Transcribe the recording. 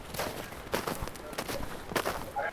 سياست ځوانان روږدي کړي دي.